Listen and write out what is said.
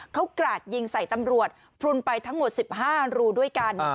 เขากราดยิงใส่ตำรวจพลุนไปทั้งหมด๑๕รูด้วยกัน